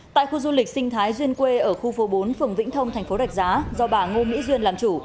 tại khu du lịch sinh thái duyên quê ở khu phố bốn phường vĩnh thông thành phố rạch giá do bà ngô mỹ duyên làm chủ